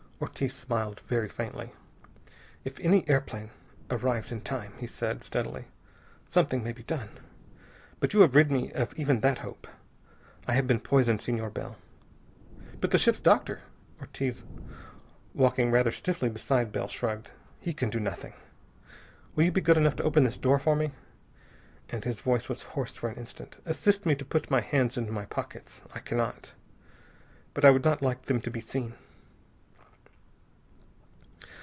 Ortiz smiled very faintly. "If any airplane arrives in time," he said steadily, "something may be done. But you have rid me of even that hope. I have been poisoned, Senor Bell." "But the ship's doctor...." Ortiz, walking rather stiffly beside Bell, shrugged. "He can do nothing. Will you be good enough to open this door for me? And" his voice was hoarse for an instant "assist me to put my hands in my pockets. I cannot. But I would not like them to be seen."